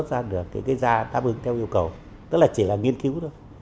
tức là chỉ là nghiên cứu thôi